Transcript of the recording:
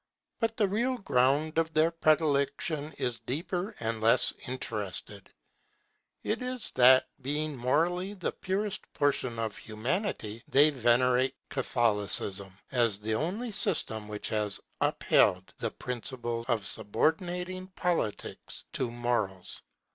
But the real ground of their predilection is deeper and less interested. It is that, being morally the purest portion of Humanity, they venerate Catholicism, as the only system which has upheld the principle of subordinating Politics to Morals.